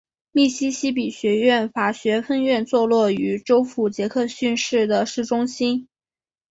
密西西比学院法学分院坐落于州府杰克逊市的市中心。